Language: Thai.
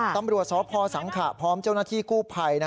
ตำรวจสาวโพธิ์สังขะครับพร้อมเจ้าหน้าที่คู่ภัย